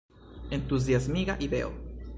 Entuziasmiga ideo….